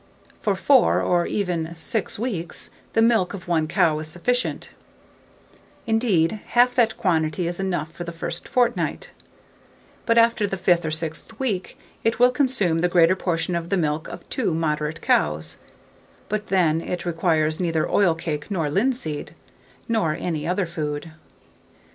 For 4, or even 6 weeks, the milk of one cow is sufficient, indeed half that quantity is enough for the first fortnight; but after the 5th or 6th week it will consume the greater portion of the milk of two moderate cows; but then it requires neither oil cake nor linseed, nor any other food.